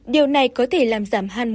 điều này có thể làm giảm ham muốn tình dục